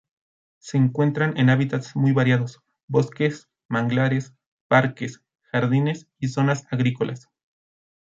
Se encuentran en hábitats muy variados, bosques, manglares, parques, jardines y zonas agrícolas.